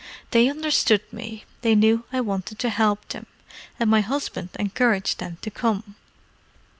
"They understood me. They knew I wanted to help them. And my husband encouraged them to come."